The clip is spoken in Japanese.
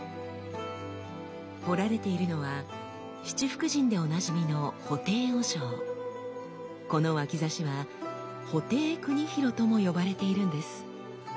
彫られているのは七福神でおなじみのこの脇指は「布袋国広」とも呼ばれているんです。